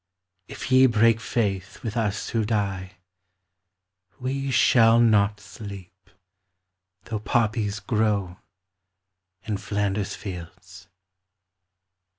If ye break faith with us who die We shall not sleep, though poppies grow In Flanders fields.